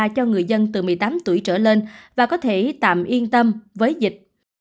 cho người dân từ một mươi tám tuổi trở lên và có thể tạm yên tâm với dịch